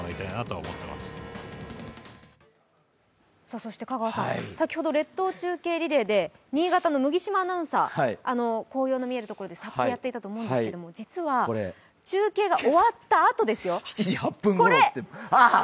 そして香川さん、先ほど列島中継リレーで新潟の麦島アナウンサー、紅葉の見えるところでやっていたと思うんですけど、実は、中継が終わったあと、これ！